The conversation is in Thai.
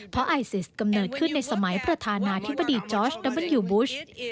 เพราะไอซิสกำเนิดขึ้นในสมัยประธานาธิบดีจอร์สดับเบิ้ลยูบูช